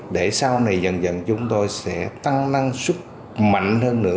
để sau này dần dần chúng tôi sẽ tăng năng suất mạnh hơn nữa